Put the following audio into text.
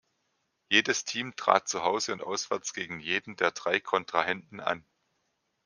Jedes Team trat zuhause und auswärts gegen jeden der drei Kontrahenten an.